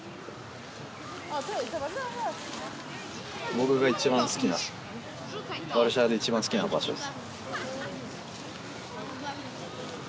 僕が一番好きなワルシャワで一番好きな場所です